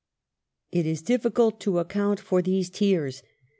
It is difficult to account for these tears.